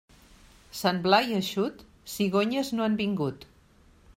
Sant Blai eixut, cigonyes no han vingut.